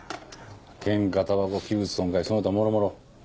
ケンカタバコ器物損壊その他もろもろ。